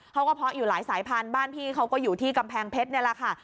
เพาะอยู่หลายสายพันธุ์บ้านพี่เขาก็อยู่ที่กำแพงเพชรนี่แหละค่ะ